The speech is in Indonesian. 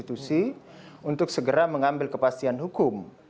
untuk segera mengambil kepastian hukum